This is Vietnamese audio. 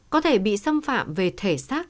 có thể bị xâm phạm về thể xác